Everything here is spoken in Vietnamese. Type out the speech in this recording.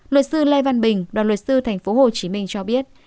luật sư lê văn bình đoàn luật sư tp hcm cho biết